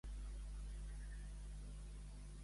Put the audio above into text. No vaja tan de pressa.